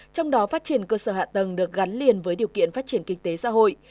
trong đó phát triển cơ sở hạ tầng được gắn liền với điều kiện phát triển kinh tế xã hội